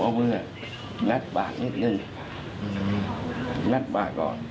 เอาเมื่องัดปากนิดนึงงัดปากก่อน